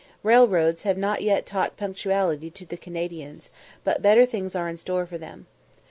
Railroads have not yet taught punctuality to the Canadians, but better things are in store for them.